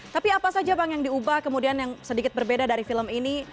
tapi apa saja bang yang diubah kemudian yang sedikit berbeda dari film ini